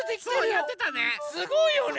すごいよね！